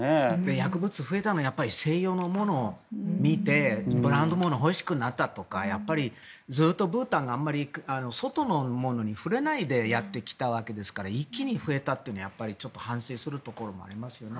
薬物が増えたのも西洋のものを見て、ブランド物が欲しくなったとかやっぱりずっとブータンがあんまり外のものに触れないでやってきたわけですから一気に増えたというのは反省するところもありますよね。